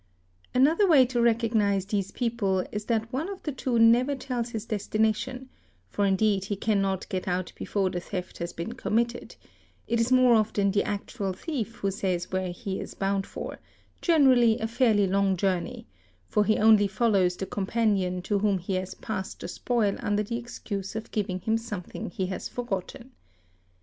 Another way to recognise these people is that one of the two never tells his destination, for indeed he cannot get out before the theft has been committed; it is more often the actual thief who says where he is bound for—generally a fairly long journey—for he only follows the com panion to whom he has passed the spoil under the excuse of giving him something he has forgotten.